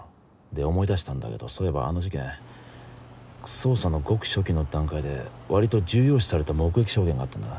で思い出したんだけどそういえばあの事件捜査のごく初期の段階で割と重要視されてた目撃証言があったんだ。